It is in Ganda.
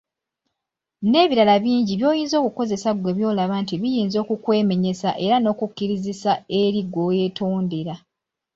N’ebirala bingi by'oyinza okukozesa ggwe by'olaba nti biyinza okukwemenyesa era n'okukukkirizisa eri gwe weetondera.